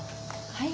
はい。